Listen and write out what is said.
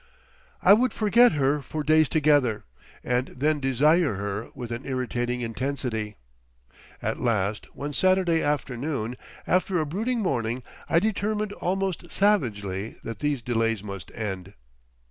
I would forget her for days together, and then desire her with an irritating intensity at last, one Saturday afternoon, after a brooding morning, I determined almost savagely that these delays must end.